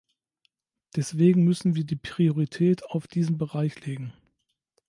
Deswegen müssen wir die Priorität auf diesen Bereich legen.